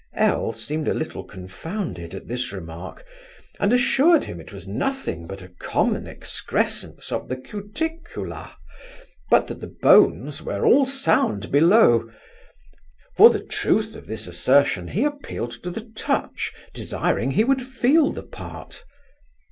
L n seemed a little confounded at this remark, and assured him it was nothing but a common excrescence of the cuticula, but that the bones were all sound below; for the truth of this assertion he appealed to the touch, desiring he would feel the part.